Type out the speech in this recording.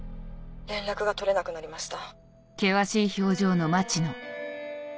連絡が取れなくなりました。